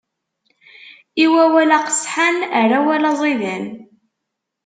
I wawal aqesḥan, err awal aẓidan!